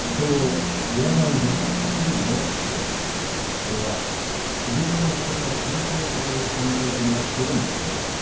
それは自分も人から尊敬される存在でなくてはなりません。